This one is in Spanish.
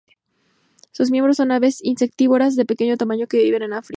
Sus miembros son aves insectívoras de pequeño tamaño que viven en África.